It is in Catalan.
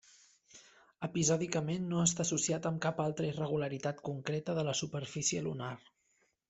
Episòdicament, no està associat amb cap altra irregularitat concreta de la superfície lunar.